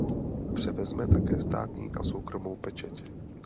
Převezme také státní a soukromou pečeť.